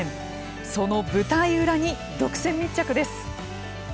その舞台裏に独占密着です。